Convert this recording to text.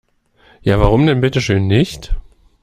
Ja, warum denn bitteschön nicht?